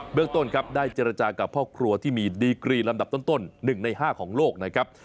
เรื่องต้นครับได้เจรจากับพ่อครัวที่มีดีกรีลำดับต้น๑ใน๕ของโลกนะครับ